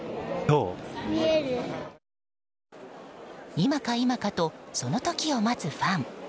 今か今かとその時を待つファン。